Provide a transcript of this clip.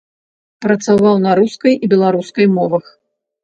Працаваў на рускай і беларускай мовах.